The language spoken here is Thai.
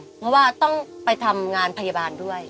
เพราะว่าต้องไปทำงานพยาบาลด้วย